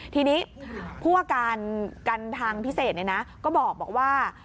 ทีนี้ผู้ว่าการการทางพิเศษเนี่ยนะก็บอกว่า